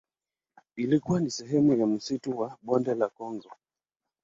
Ilikuwa ni sehemu ya msitu wa Bonde la Kongo.